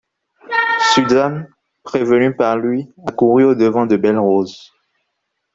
Suzanne, prévenue par lui, accourut au-devant de Belle-Rose.